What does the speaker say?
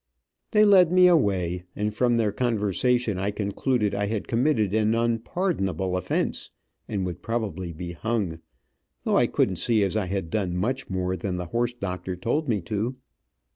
They led me away, and from their conversation I concluded I had committed an unpardonable offense, and would probably be hung, though I couldn't see as I had done much more than the horse doctor told me to.